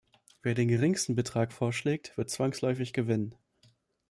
Wer den geringsten Betrag vorschlägt, wird zwangsläufig gewinnen.